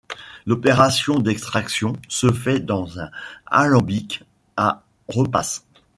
L'opération d'extraction se fait dans un alambic à repasse.